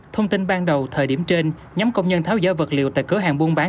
thông tin ban đầu thời điểm trên nhóm công nhân tháo dỡ vật liệu tại cửa hàng buôn bán